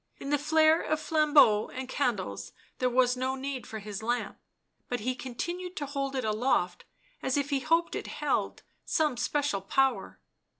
In the flare of flambeaux and candles there was no need for his lamp, but he continued to hold it aloft as if he hoped it held some* special power.